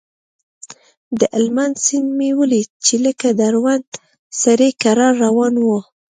د هلمند سيند مې وليد چې لکه دروند سړى کرار روان و.